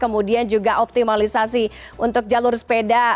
kemudian juga optimalisasi untuk jalur sepeda